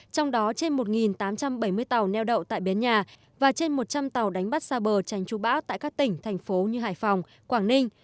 trong đó trên một tám trăm bảy mươi tàu neo đậu tại bến nhà và trên một trăm linh tàu đánh bắt xa bờ tránh chú bão tại các tỉnh thành phố như hải phòng quảng ninh